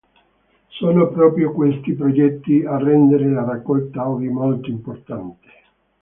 Sono proprio questi progetti a rendere la raccolta oggi molto importante.